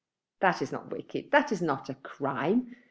That is not wicked. That is not a crime.